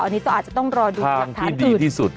อันนี้ต้องรอดูกับหลักฐานกึ่ง